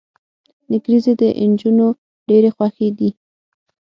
نکریزي د انجونو ډيرې خوښې دي.